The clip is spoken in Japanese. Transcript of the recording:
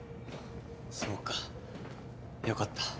そうか良かった。